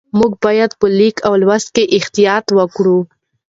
موږ باید په لیک او لوست کې احتیاط وکړو